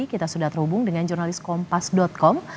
kita sudah terhubung dengan jurnalis kompas com